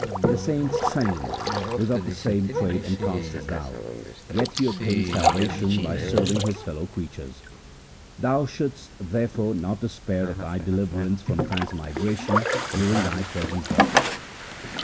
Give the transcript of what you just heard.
The saint Sain 1 was of the same trade and caste as thou, yet he obtained salvation by serving his fellow crea tures. Thou shouldst therefore not despair of thy deliverance from transmigration during thy present birth.'